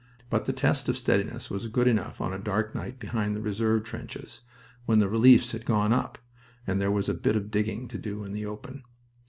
But the test of steadiness was good enough on a dark night behind the reserve trenches, when the reliefs had gone up, and there was a bit of digging to do in the open.